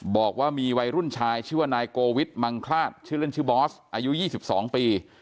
บอกว่ามีวัยรุ่นชายชื่อว่านายโกวิทมังคลาดชื่อเล่นชื่อบอสอายุ๒๒ปี